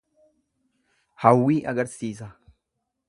Hawwii argisiisa.